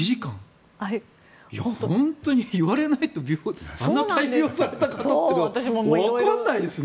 本当に言われないとあんな大病された方ってわからないですね。